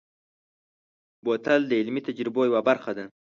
بوتل د علمي تجربو یوه برخه ده.